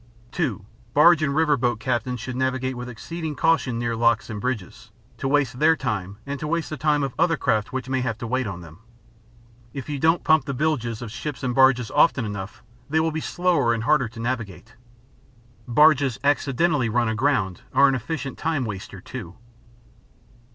(2) Barge and river boat captains should navigate with exceeding caution near locks and bridges, to waste their time and to waste the time of other craft which may have to wait on them. If you don't pump the bilges of ships and barges often enough, they will be slower and harder to navigate. Barges "accidentally" run aground are an efficient time waster too.